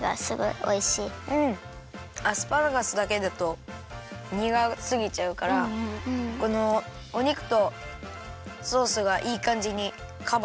アスパラガスだけだとにがすぎちゃうからこのお肉とソースがいいかんじにカバーしてくれていいね。